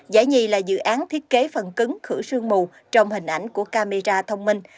giải nhì là dự án thiết kế phần cứng khử sương mù trong hình ảnh của camera thông minh